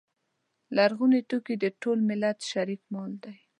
لرغوني توکي د ټول ملت شریک مال دی.